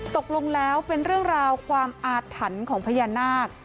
ตกลงแล้วเป็นเรื่องราวความอาถรรพ์ของพญานาค